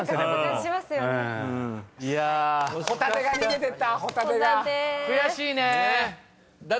悔しいねぇ。